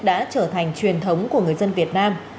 đã trở thành truyền thống của người dân việt nam